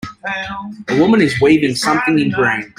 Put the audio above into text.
A woman is weaving something in green.